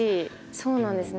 そうなんですね。